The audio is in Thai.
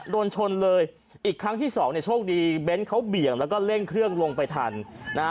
โดนชนเลยอีกครั้งที่สองเนี่ยโชคดีเบนท์เขาเบี่ยงแล้วก็เร่งเครื่องลงไปทันนะฮะ